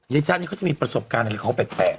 ยายจ๊ะนี่เขาจะมีประสบการณ์ออกกับเขาแปลก